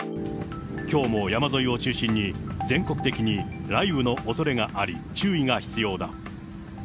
きょうも山沿いを中心に全国的に雷雨のおそれがあり、注意が必要だ。